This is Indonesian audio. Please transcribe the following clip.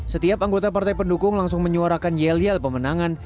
setiap anggota partai pendukung langsung menyuarakan yelial pemenangan